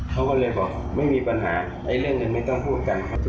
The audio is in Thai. เขาก็เลยบอกไม่มีปัญหาไอ้เรื่องหนึ่งไม่ต้องพูดกันครับ